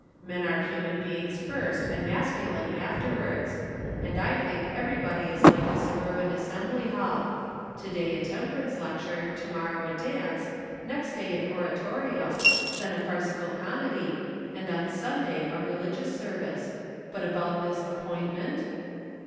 Men are human beings first and masculine afterwards. And I think everybody is like a suburban Assembly Hall to day a temperance lecture, to morrow a dance, next day an oratorio, then a farcical comedy, and on Sunday a religious service. But about this appointment?"